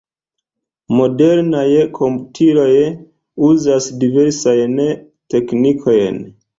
Modernaj komputiloj uzas diversajn teknikojn.